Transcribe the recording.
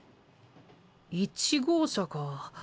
１号車か。